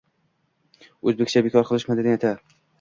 O’zbekcha “bekor qilish madanyati”